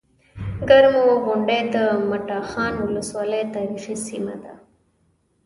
کرمو غونډۍ د مټاخان ولسوالۍ تاريخي سيمه ده